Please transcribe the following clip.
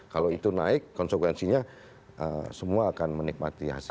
kalau itu naik konsekuensinya semua akan menikmati hasil